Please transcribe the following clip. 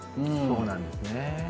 そうなんですね。